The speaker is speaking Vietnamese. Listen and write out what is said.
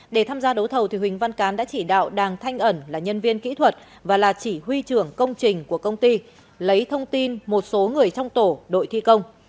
để tham gia đấu thầu huỳnh văn cán đã chỉ đạo đàng thanh ẩn là nhân viên kỹ thuật và là chỉ huy trưởng công trình của công ty lấy thông tin một số người trong tổ đội thi công